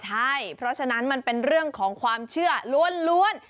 ใช่เพราะฉะนั้นมันเป็นเรื่องของความเชื่อล้วน